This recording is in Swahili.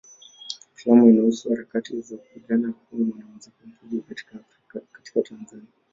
Filamu inahusu harakati za kupigania kuwa mwanamuziki mkubwa katika Tanzania.